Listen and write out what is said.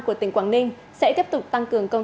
có tải trọng một trăm chín mươi tấn